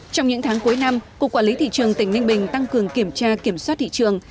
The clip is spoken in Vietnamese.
trong những tháng cuối năm cục quản lý thị trường tỉnh ninh bình tăng cường kiểm tra kiểm soát thị trường